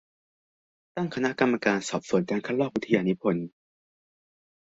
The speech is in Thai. ตั้งคณะกรรมการสอบสวนการคัดลอกวิทยานิพนธ์